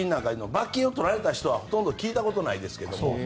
罰金を取られた人はほとんど聞いたことないですけど。